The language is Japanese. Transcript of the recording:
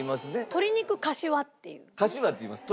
鶏肉かしわって言うよね。